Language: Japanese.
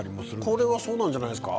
これはそうなんじゃないですか。